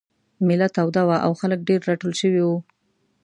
مېله توده وه او خلک ډېر راټول شوي وو.